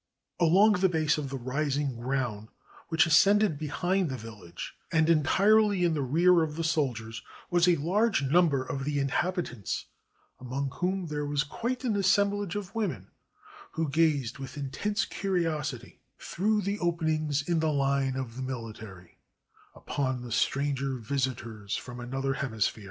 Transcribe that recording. Along the base of the rising ground which ascended behind the village, and entirely in the rear of the soldiers, was a large number of the inhabitants, among whom there was quite an assemblage of women, who gazed with intense curiosity, through the openings in the line of the military, upon the stranger visitors from another hemisphere.